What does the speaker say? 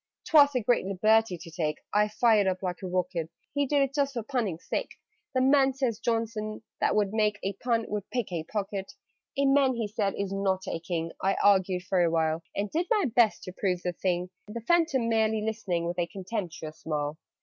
"'Twas a great liberty to take!" (I fired up like a rocket). "He did it just for punning's sake: 'The man,' says Johnson, 'that would make A pun, would pick a pocket!'" "A man," said he, "is not a King." I argued for a while, And did my best to prove the thing The Phantom merely listening With a contemptuous smile.